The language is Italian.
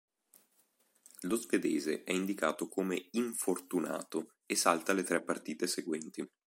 Lo svedese è indicato come "infortunato" e salta le tre partite seguenti.